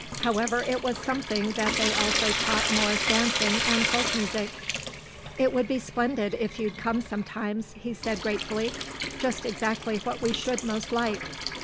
However, it was something that they also taught morris dancing and folk music. "It would be splendid if you'd come sometimes," he said, gratefully. "Just exactly what we should most like.